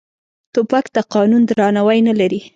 توپک د قانون درناوی نه لري.